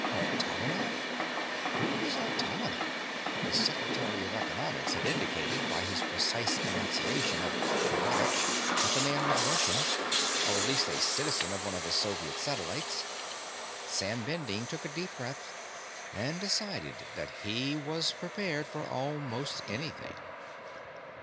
Artomonov? Who was Artomonov? The Secretary of Economics had indicated, by his precise enunciation of tovarishch, that the man was a Russian or at least a citizen of one of the Soviet satellites. Sam Bending took a deep breath and decided that he was prepared for almost anything.